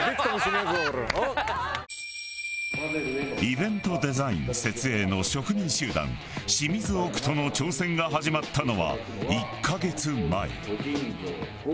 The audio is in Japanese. イベントデザイン設営の職人集団シミズオクトの挑戦が始まったのは１カ月前。